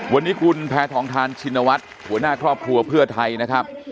วันนี้คุณแพทองทานชินวัฒน์หัวหน้าครอบครัวเพื่อไทยนะครับ